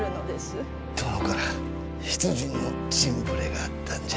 殿から出陣の陣触れがあったんじゃ。